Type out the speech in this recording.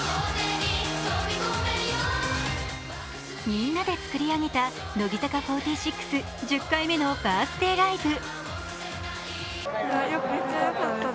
みんなで作り上げた乃木坂４６、１０回目のバースデーライブ。